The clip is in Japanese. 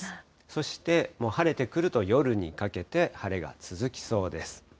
そして晴れてくると、夜にかけて晴れが続きそうです。